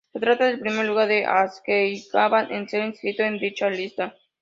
Se trata del primer lugar de Azerbaiyán en ser inscrito en dicha lista.